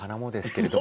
けれど